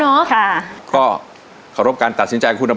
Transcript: มีความรู้สึกว่ามีความรู้สึกว่ามีความรู้สึกว่า